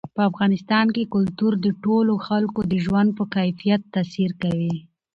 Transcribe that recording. په افغانستان کې کلتور د ټولو خلکو د ژوند په کیفیت تاثیر کوي.